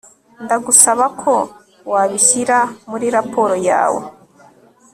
Ndagusaba ko wabishyira muri raporo yawe